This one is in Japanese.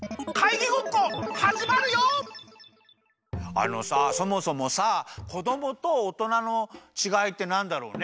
あのさそもそもさこどもとおとなのちがいってなんだろうね？